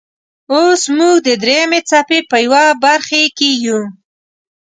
اوس موږ د دریمې څپې په یوه برخې کې یو.